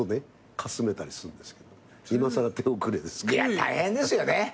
いや大変ですよね。